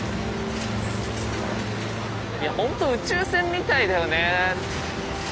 いやほんと宇宙船みたいだよね。